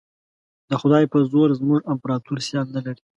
د خدای په زور زموږ امپراطور سیال نه لري.